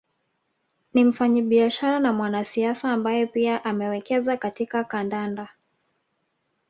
Ni mfanyabiashara na mwanasiasa ambaye pia amewekeza katika kandanda